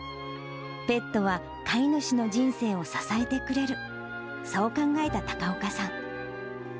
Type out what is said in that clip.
ペットは飼い主の人生を支えてくれる、そう考えた高岡さん。